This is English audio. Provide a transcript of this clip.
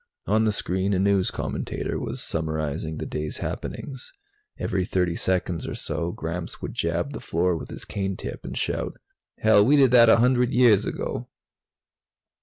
On the screen, a news commentator was summarizing the day's happenings. Every thirty seconds or so, Gramps would jab the floor with his cane tip and shout, "Hell, we did that a hundred years ago!"